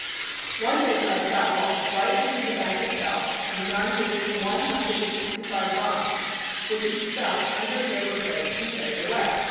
One day Prescott walked right into the bank itself and John gave him one hundred and sixty five bonds, which he stuffed under his overcoat and carried away.